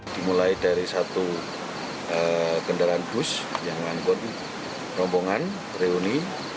dimulai dari satu kendaraan bus yang mengangkut rombongan reuni